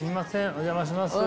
お邪魔します！